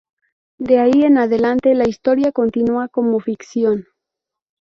De ahí en adelante, la historia continúa como ficción.